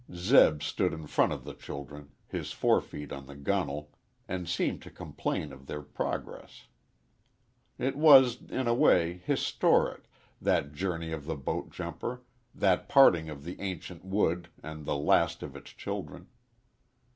Zeb stood in front of the children, his forefeet on the gunwale, and seemed to complain of their progress. It was, in a way, historic, that journey of the boat jumper, that parting of the ancient wood and the last of its children.